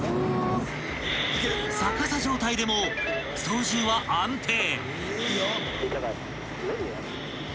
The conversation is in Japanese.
［逆さ状態でも操縦は安定］